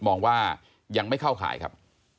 มองว่ายังไม่เข้าข่ายครับ